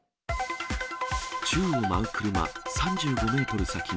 宙を舞う車、３５メートル先に。